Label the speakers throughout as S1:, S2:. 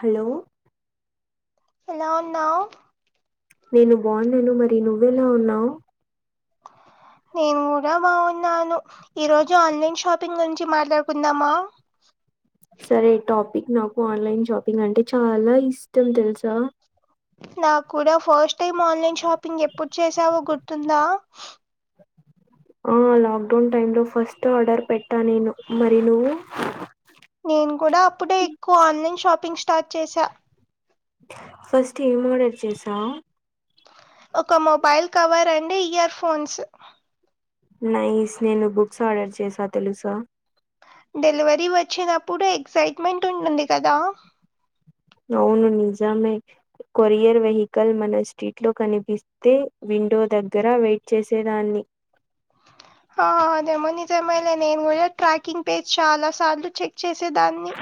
S1: Hello!
S2: ఎలాఉన్నావ్?
S1: నేను బాగున్నాను. మరి నువ్వ ఎలా ఉన్నావు?
S2: [inaudible] నేను కూడా బాగున్నాను. ఈ రోజు ఆన్లైన్ షాపింగ్ గురించి మాట్లాడుకుందామా? [inaudible]
S1: సరే టాపిక్ నాకు ఆన్లైన్ షాపింగ్ అంటే చాలా ఇష్టం తెలుసా?
S2: నా కూడా, ఫస్ట్ టైం ఆన్లైన్ షాపింగ్ ఎప్పుడు చేసావో గుర్తుందా?
S1: ఆ లాక్డౌన్ టైమ్ లో ఫస్ట్ ఆర్డర్ పెట్టా నేను. మరి నువ్వు
S2: నేను కూడా అప్పుడే ఎక్కువ ఆన్లైన్ షాపింగ్ స్టార్ట్ చేసా.
S1: ఫస్ట్ ఏం ఆర్డర్ చేసావు?
S2: ఒక mobile cover and earphones.
S1: Nice. నేను బుక్స్ ఆర్డర్ చేసా తెలుసా?
S2: డెలివరీ వచ్చినప్పుడు ఎక్సైట్మెంట్ ఉంటుంది కదా?
S1: అవును. నిజమే కొరియర్ వెహికల్ మన స్ట్రీట్ లో కనిపిస్తే వీ విండో దగ్గర వెయిట్ చేసేదాన్ని.
S2: ఆ అదేమో నిజమలే. నేను కూడా ట్రాకింగ్ పేజ్ చాలా సార్లు చెక్ చేసి ఇచ్చేదాన్ని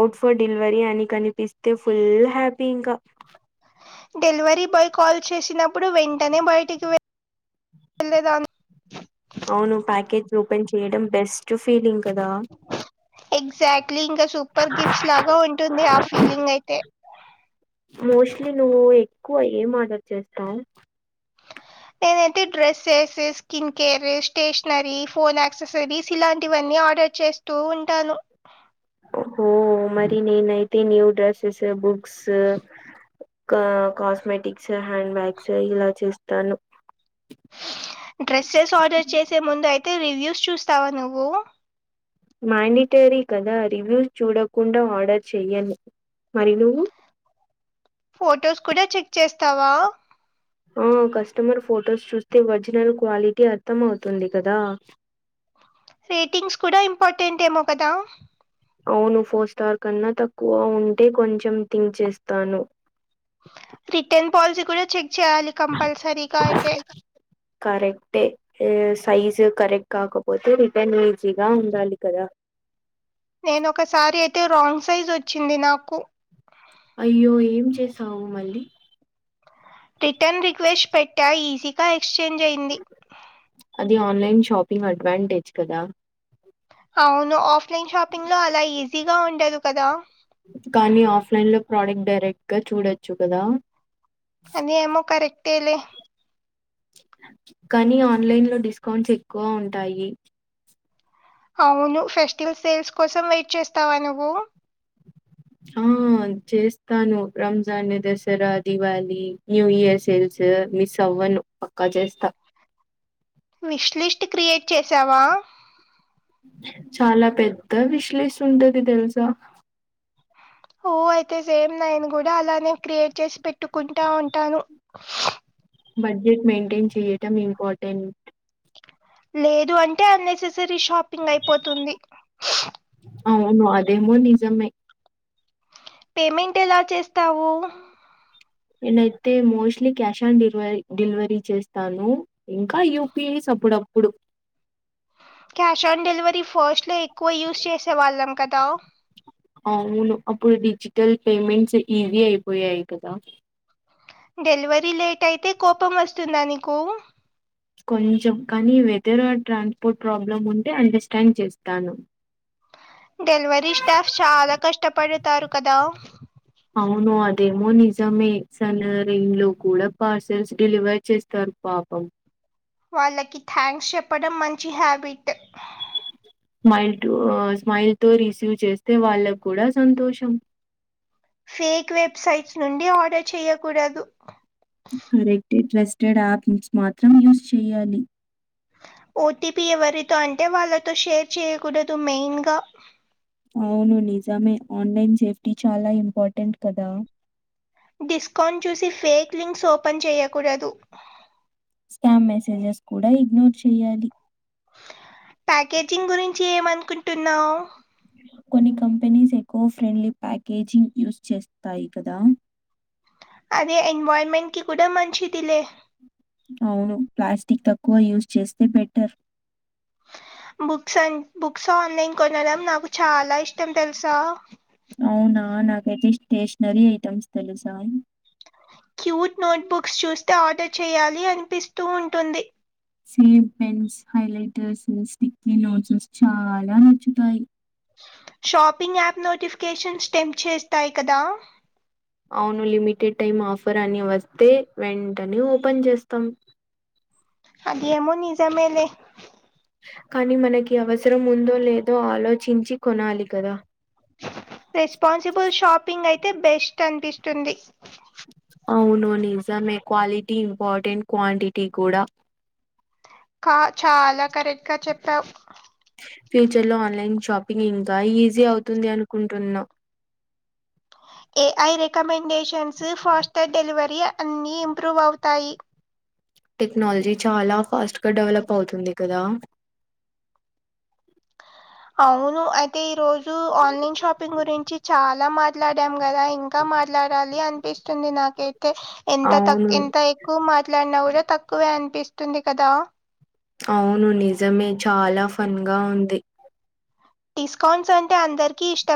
S1: ఔట్ ఫర్ డెలివరీ అని కనిపిస్తే ఫుల్ హ్యాపీ ఇంక
S2: డెలివరీ బాయ్ కాల్ చేసినప్పుడు వెంటనే బయటికి వెళ్ళే వెళ్ళేదాన్ని
S1: ఆన్లైన్ చేయడం బెస్ట్ ఫీలింగ్ కదా
S2: ఎగ్జాక్ట్లీ, ఇంకా సూపర్ గిఫ్ట్స్ లాగా ఉంటుంది ఆ ఫీలింగ్ అయితే.
S1: మోస్ట్లీ నువ్వు ఎక్కువ ఏమీ ఆర్టర్ చేస్తావు?
S2: [inaudible] నేనైతే dresses skin care stationery phone accessories ఇలాంటివన్నీ ఒ ఆర్డర్ చేస్తూ ఉంటను
S1: ఓ మరి నేనైతే న్యూ డ్రెసస్ బుక్స్ కా కాస్మెటిక్స్ హ్యాండ్ బ్యాగ్స్ ఇలా చేస్తాను
S2: డ్రెస్సెస్ ఆర్డర్ చేసే ముందు అయితే రివ్యూస్ చూస్తావా నువ్వు
S1: మాండిటరీ కదా రివ్యూస్ చూడకుండా ఆర్డర్ చేయను మరి నువ్వు
S2: ఫొటోస్ కూడా చెక్ చేస్తావా
S1: ఆ కస్టమర్ ఫొటోస్ చూస్తే ఒరిజినల్ క్వాలిటీ అర్థం అవుతుంది కదా
S2: రేటింగ్స్ కూడా ఇంపార్టెంట్ ఏమో కదా
S1: అవును ఫోర్ స్టార్ కన్నా తక్కువ ఉంటే కొంచెం థింక్ చేస్తాను
S2: రిటర్న్ పల్సీ కూడా చెక్ చేయాలి కంపల్సరీగా అయితే
S1: కరెక్ట్ ఆ సైజు కరెక్ట్ కాకపోతే రిటర్న్ ఈజీగా ఉండాలి కదా
S2: నేను ఒకసారీ అయితే రాంగ్ సైజు వచ్చింది నాకు
S1: అయ్యో ఏం చేసావు మళ్ళీ
S2: రిటర్న్ రిక్వెస్ట్ పెట్టా ఈజీగా ఎక్స్చేంజ్ అయింది
S1: అది ఆన్లైన్ షాపింగ్ అడ్వాంటేజ్ కదా
S2: అవును ఆఫ్లైన్ షాపింగ్ లో అలా ఈజీగా ఉండరు కదా
S1: కానీ ఆఫ్లైన్ లో ప్రోడక్ట్ డైరెక్ట్ గా చూడొచ్చు కదా
S2: అ ఏమ కరెక్ తెలే
S1: కానీ ఆన్లైన్ లో డిస్కౌంట్స్ ఎక్కువ ఉంటాయి
S2: అవును ఫెస్టివల్ సేల్స్ కోసం వెయిట్ చేస్తావా నువ్వు
S1: ఆ చేస్తాను Ramzan Dasara Diwali new year sales మీ సవ్వను పక్క చేస్తా
S2: విష్ లిస్ట్ క్రియేట్ చేసావా
S1: చాలా పెద్ద విశ్లేష ఉంటది తెలుసా
S2: ఊ అయితే సేమ్ నేను కూడా అలానే క్రియేట్ చేసి పెట్టుకుంటా ఉంటాను
S1: బడ్జెట్ మెయింటైన్ చేయటం ఇంపార్టెంట్
S2: లేదు అంటే అన్నెసెసరీ షాపింగ్ అయిపోతుంది
S1: అవును అదేమో నిజమే
S2: పేమెంట్ ఎలా చేస్తావు
S1: నేనయితే మోస్ట్లీ క్యాష్ ఆన్ డెలివ డెలివరీ చేస్తాను ఇంకా యూపీఐ అప్పుడప్పుడు
S2: క్యాష్ ఆన్ డెలివరీ ఫస్ట్ లో ఎక్కువ యూస్ చేసే వాళ్ళం కదా
S1: అవును అప్పుడు డిజిటల్ పేమెంట్స్ ఈజీ అయిపోయాయి కదా
S2: డెలివరీ లేట్ అయితే కోపం వస్తుందా నీకు
S1: కొంచెం కానీ వెదర్ ఆ ట్రాన్స్పోర్ట్ ప్రాబ్లమ్ ఉంటే అండర్స్టాండ్ చేస్తాను
S2: డెలివరీ స్టాఫ్ చాలా కష్టపడతారు కదా
S1: దేమో నిజమే సన్ రేన్ లో కూడా పార్సల్స్ డెలివర్ చేస్తారు పాపం
S2: వాళ్ళకి థ్యాంక్స్ చెప్పడం మంచి హ్యాబిట్
S1: స్మైల్ స్మైల్ తో రిసీవ్ చేస్తే వాళ్ళకు కూడా సంతోషం
S2: ఫేక్ వెబ్సైట్స్ నుండి ఆర్డర్ చేయ్యకూడదు
S1: కరెక్టె ట్రస్టెడ్ యాప్ మాత్రం యూస్ చేయాలి
S2: ఓటీపీ ఎవరితో అంటే వాళ్లతో షేర్ చేయకూడదు మెయిన్గా
S1: అవును నిజమే ఆన్లైన్ సేఫ్టీ చాలా ఇంపార్టెంట్ కదా
S2: డిస్కౌంట్ చూసి ఫేక్ లింక్స్ ఓపెన్ చేయకూడదు
S1: స్కామ్ మెసేజెస్ కూడా ఇగ్నోర్ చేయాలి
S2: ప్యాకేజింగ్ గురించి ఏమనుకుంటున్నావు
S1: కొన్ని companies eco friendly packaging use చేస్తాయి కదా
S2: అదే ఎన్వైర్మెంట్ కి కూడా మంచిదిలే
S1: అవును ప్లాస్టిక్ తక్కువ యూజ్ చేస్తే బెటర్
S2: బుక్స్ అం బుక్స్ ఆన్లైన్ కొనడం నాకు చాలా ఇష్టం తెలుసా
S1: అవునా నాకైతే స్టేషనరీ ఐటమ్స్ తెలుసా
S2: క్యూట్ నోట్బుక్స్ చూస్తే ఆర్డర్ చేయాలి అనిపిస్తూ ఉంటుంది
S1: same pens highlighters stick notes చాలా నచ్చుతాయి
S2: షాపింగ్ యాప్ నోటిఫికేషన్ స్టెంప్ చేస్తాయి కదా
S1: అవును లిమిటెడ్ టైం ఆఫర్ అని వస్తే వెంటనే ఓపెన్ చేస్తాం
S2: అదేమో నిజమేలే
S1: కానీ మనకి అవసరం ఉందో లేదో ఆలోచించి కొనాలి కదా
S2: రెస్పాన్సిబుల్ షాపింగ్ అయితే బెస్ట్ అనిపిస్తుంది
S1: అవును నిజంమే క్వాలిటీ ఇంపార్టెంట్ క్వాంటిటీ కూడా
S2: ఆ చాలా కరెక్ట్ గా చెప్పావ్
S1: ఫ్యూచర్ లో ఆన్లైన్ షాపింగ్ ఇంకా ఈజీ అవుతుంది అనుకుంటున్నాం
S2: ఏఐ రికమెండేషన్స్ ఫాస్ట్ డెలివరీ అన్ని ఇంప్రూవ్ అవుతాయి [inaudible]
S1: టెక్నాలజీ చాలా ఫాస్ట్గా డెవలప్ అవుతుంది కదా
S2: అవును అయితే ఈ రోజు ఆన్లైన్ షాపింగ్ గురించి చాలా మాట్లాడాము కదా ఇంకా మాట్లాడాలి అనిపిస్తుంది నాకైతే ఎంత
S1: అవును
S2: తక్క ఎంత ఎక్కువ మాట్లా ఇట్లన్నా కూడా తక్కువే అనిపిస్తుంది కదా
S1: అవును నిజమే చాలా ఫన్ గా ఉంది
S2: డిస్కౌంట్స్ అంటే అందరికి ఇష్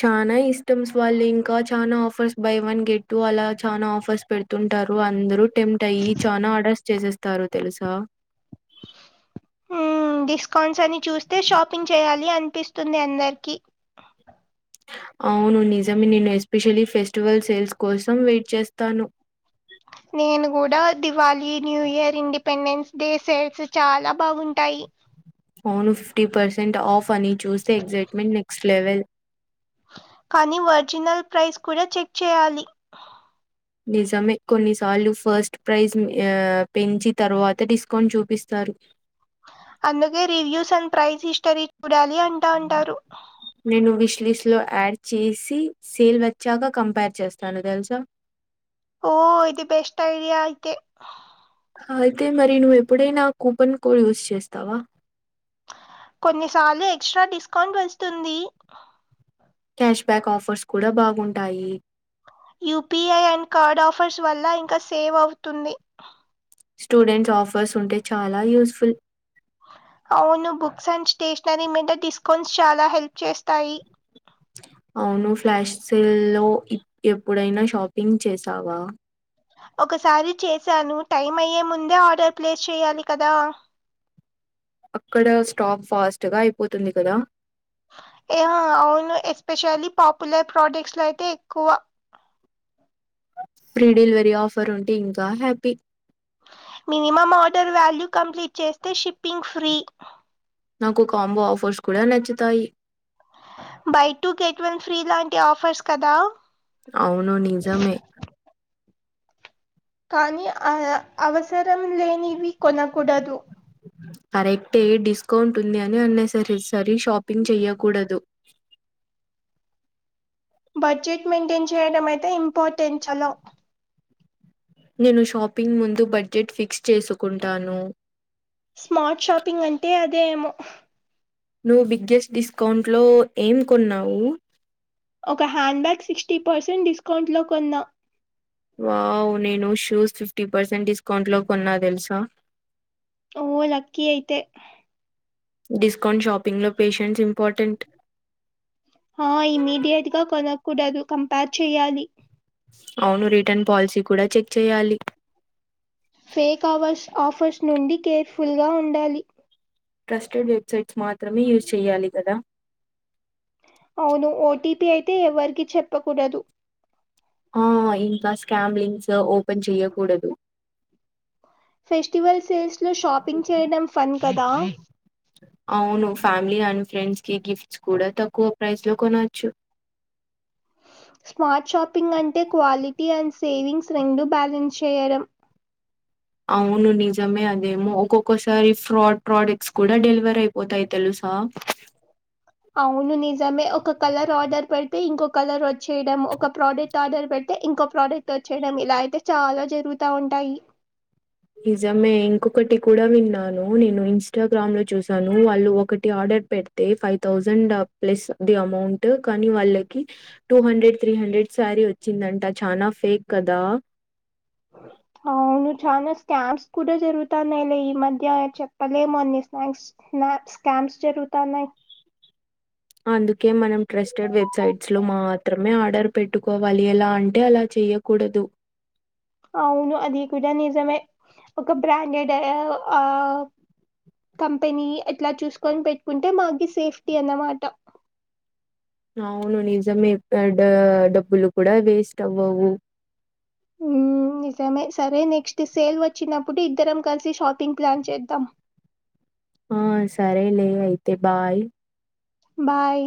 S1: చనాా ఇష్టం స్వాల్ంగ్ ఇంకా చాలనా offers buy one get two అలా చానా ఆఫర్స్ పెడుతుంటారు అందరు ఎంప్టీ అయి చాలా ఆర్డర్స్ చేసేస్తారు తెలుసా
S2: హ్మ్ డిస్కౌంట్స్ అని చూస్తే షాపింగ్ చేయాలి అనిపిస్తుంది అందరికి
S1: అవును నిజమే నిను ఎస్పెషలీ ఫెస్టివల్ సేల్స్ కోసం వెయిట్ చేస్తాను
S2: అ నేను కూడా Diwali new year independence day sales చాలా బాగుంటాయి
S1: అవును ఫిఫ్టీ పర్సెంట్ ఆఫ్ అని చూస్తే ట్మెంట్ నెక్స్ట్ లెవెల్
S2: కానీ ఒరిజినల్ ప్రైస్ కూడా చెక్ చేయాలి
S1: నిజమే కొన్నిసార్లు ఫస్ట్ ప్రైజ్ పెంచి తర్వాత డిస్కౌంట్ చూపిస్తారు
S2: అందుగే రివ్యూస్ అండ్ ప్రైజ ఇస్రి చూడాలి అంటా అంటారు
S1: నేను విష్ లిస్ట్ లో యాడ్ చేసి సేల్ వచ్చాక కంపేర్ చేస్తాను తెలుసా
S2: ఓ ఇది బెస్ట్ ఐడియా అయితే
S1: అయితే మరి నువ్వు ఎప్పుడైనా కూపన్ కో యూస్ చేస్తావా
S2: కొన్నిసార్లు ఎక్స్ట్రా డిస్కౌంట్ వస్తుంది
S1: క్యాష్ బ్యాక్ ఆఫర్స్ కూడా బాగుంటాయి
S2: యపీఐ అండ్ కార్డ్ ఆఫర్స్ వల్ల ఇంకా సేవ్ అవుతుంది
S1: స్టూడెంట్స్ ఆఫర్స్ ఉంటే చాలా యూస్ ఫుల్
S2: అవును బుక్స్ అండ్ స్టేషనరీ మీద డిస్కౌంట్స్ చాలా హెల్ప్ చేస్తాయి
S1: అవును ఫ్లాష్ సెల్లో ఎ ఎప్పుడైనా షాపింగ్ చేసావా
S2: ఒకసారి చేసాను టైం అయ్యే ముందే ఆర్డర్ ప్లేస్ చెయ్యాలి కదా [inaudible]
S1: అక్కడ స్టాప్ ఫాస్ట్ గా అయిపోతుంది కదా
S2: యా అవును ఎస్పెషల్లీ పాపులర్ ప్రొడక్ట్స్లో అయితే ఎక్కువ
S1: ఫ్రీ డెలివరీ ఆఫర్ ఉంటే ఇంకా happy
S2: minimum order value complete చేస్తే షిప్పింగ్ ఫ్రీ
S1: నాకు కాంబో ఆఫర్స్ కూడా నచ్చుతాయి
S2: buy two get one free లాంటి ఆఫర్స్ కదా
S1: అవును నిజమే
S2: కానీ ఆ అవసరం లేనివి కొనకూడదు
S1: కరెక్టే డిస్కౌంట్ ఉంది అని అన్నెసరి సరి షాపింగ్ చెయ్యకూడదు
S2: [inaudible] బడ్జెట్ మెయింటైన్ చేయడం అయితే ఇంపార్టెంట్ చాలా
S1: నేను షాపింగ్ ముందు బడ్జెట్ ఫిక్స్ చేసుకుంటాను
S2: స్మార్ట్ షాపింగ్ అంటే అదేమో
S1: నువ్వు బిగ్గెస్ట్ డిస్కౌంట్లో ఏం కొన్నావు
S2: ఒక hand bag sixty percent discount లో కొన్నా
S1: వావ్ నేను షూస్ ఫిఫ్టీ పర్సెంట్ డిస్కౌంట్ లో కొన్నా తెలుసా
S2: ఓ లక్కీ అయితే
S1: డిస్కౌంట్ షాపింగ్ లో పేషెంట్స్ ఇంపార్టెంట్
S2: ఆ ఇమీడియట్ గా కొనకూడదు కంపేర్ చెయాలి
S1: అవును రిటర్న్ పాలసీ కూడా చెక్ చేయాలి
S2: ఫేక్ అవర్స్ ఆఫర్స్ నుండి కేర్ఫుల్గా ఉండాలి
S1: ట్రస్టెడ్ వెబ్సైట్స్ మాత్రమే యూజ్ చేయ్యాలి కదా
S2: అవును ఓటీపీ అయితే ఎవరికిీ చెప్పకూడదు
S1: ఆ ఇంకా స్కామ్ లింస్ ఓపెన్ చెయ్యకూడదు
S2: ఫెస్టివల్ సేల్స్ లో షాపింగ్ చేయడం ఫన్ కదా
S1: అవును ఫ్యామిలీ అండ్ ఫ్రెండ్స్ కి గిఫ్ట్స్ కూడా తక్కువ ప్రైస్ లో కొనవచ్చు
S2: స్మార్ట్ షాపింగ్ అంటే క్వాలిటీ అండ్ సేవింగ్స్ రెండు బ్యాలెన్స్ చేయడం
S1: అవును నిజమే అదేమో ఒక్కొక్కసారి ఫ్రాడ్ ప్రొడక్ట్స్ కూడా డెలివర్ అయిపోతాయి తెలుస్ ఆ
S2: అవును నిజమే ఒక కలర్ ఆర్డర్ పెడితే ఇంకో కలర్ వచ్చేయడం ఒక ప్రోడక్ట్ ఆర్డర్ పెడిత్ తే ఇంకో ప్రోడక్ట్ వచ్చేయడం ఇలా అయితే చాలా జరుగుతా ఉంటాయి
S1: నిజమే ఇంకొకటి కూడా విన్నాను నేను ఇన్స్టాగ్రామ్ లో చూసాను వాళ్ళు ఒకటి ఆర్డర్ ఫైవ్ హండ్రెడ్ పెడితే ఫైవ్ తౌసండ్ ప్లస్ బి అమౌంట్ కానీ వాళ్ళకి two hundred three hundred sorry వచ్చిందంట చానా ఫేక్ కదా
S2: అవ్ ను చాలా స్కాంస్ కూడా జరుగుతాన్నా ఈ మధ్య చెప్పలేము అన్ని స్నాక్స్ స్నాక్స్ స్కామ్స్ జరుగుతాన్నాయ్
S1: అందుకే మనం ట్రస్టెడ్ వెబ్సైట్స్ లో మాత్రమే ఆర్డర్ పెట్టుకోవాలి ఎలా అంటే అలా చెయకూడదు
S2: [unintelligible] అవును అది కూడా నిజమే ఒక బ్రాండెడ్ ఆ కంపెనీ ఎట్లా చూసుకొని పెట్టుకుంటే మాగి సేఫ్టీ అన్నమాట
S1: అవును నిజమే డ డబ్బులు కూడా వేస్ట్ అవ్వవు
S2: ఉ నిజమే సరే నెక్స్ట్ సేల్ వచ్చినప్పుడు ఇద్దరం కలిసి షాపింగ్ ప్లాన్ చేద్దాం [unintelligible]
S1: ఆ సరేలే అయితే బాయ్
S2: బాయ్